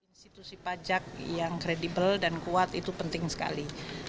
institusi pajak yang kredibel dan kuat itu penting sekali